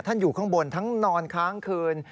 อยู่ข้างบนทั้งนอนค้างคืน